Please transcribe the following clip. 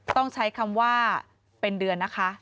ต้องใช้คำว่าเป็นเดือนนะคะ